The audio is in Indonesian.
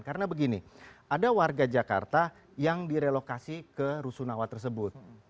karena begini ada warga jakarta yang direlokasi ke rusunawa tersebut